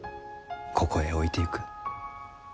ここへ置いてゆく。